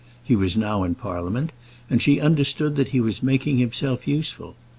He was now in Parliament, and she understood that he was making himself useful.